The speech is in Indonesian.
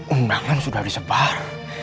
undangan sudah disebar